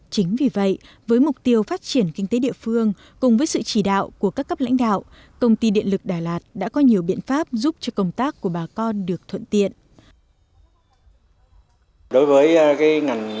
chính vì vậy với mục tiêu phát triển kinh tế địa phương cùng với sự chỉ đạo của các cấp lãnh đạo công ty điện lực đà lạt đã có nhiều biện pháp giúp cho công tác của bà con được thuận tiện